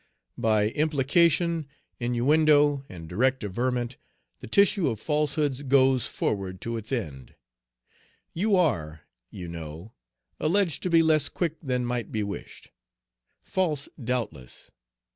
By implication, inuendo, and direct averment, the tissue of falsehoods goes forward to its end. "You are, you know, alleged to be less quick than might be wished. False, doubtless.